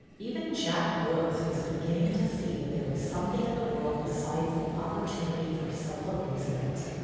Even Jack Brooks was beginning to see that there was something in the world besides the op portunity for self amusement.